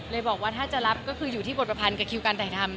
บอกว่าถ้าจะรับก็คืออยู่ที่บทประพันธ์กับคิวการถ่ายทำ